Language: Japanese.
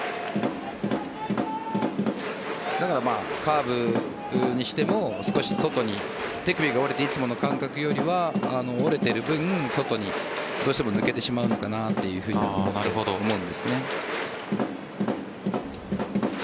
だからカーブにしても少し外に手首が折れていつもの感覚よりは折れている分外にどうしても抜けてしまうのかなと思うんです。